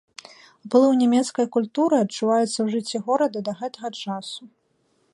Уплыў нямецкай культуры адчуваецца ў жыцці горада да гэтага часу.